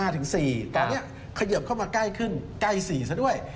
ตอนนี้เขยิบเข้ามาใกล้ขึ้นใกล้๔ซะด้วย